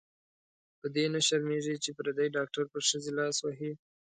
په دې نه شرمېږې چې پردې ډاکټر پر ښځې لاس وهي.